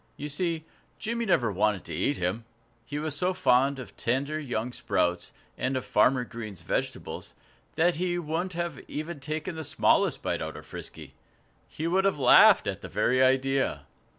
You see, Jimmy never wanted to eat him. He was so fond of tender young sprouts, and of Farmer Green's vegetables, that he wouldn't have taken even the smallest bite out of Frisky. He would have laughed at the very idea.